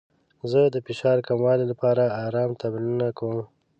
زه د فشار کمولو لپاره ارام تمرینونه کوم.